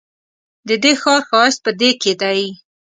ددې ښار ښایست په دې کې دی.